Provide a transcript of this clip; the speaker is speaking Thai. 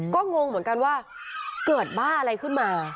ก็งงเหมือนกันว่าเกิดบ้าอะไรขึ้นมา